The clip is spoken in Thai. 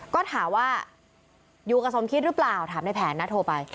ก็ถามว่าอยู่กับสมคิดหรือเปล่าถามในแผนนะโทรไป